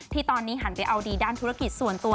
ที่ตอนนี้หันไปเอาดีด้านธุรกิจส่วนตัว